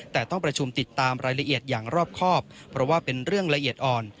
แต่ต้องประชุมติดตามรายละเอียดอย่างรอบครอบเพราะว่าเป็นเรื่องละเอียดอ่อน